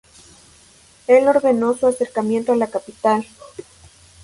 El ordenó su acercamiento a la capital.